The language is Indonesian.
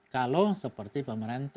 kalau seperti pemerintah